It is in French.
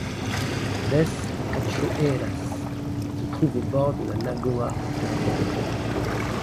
Três Cachoeiras se trouve au bord de la Lagoa Itapeva.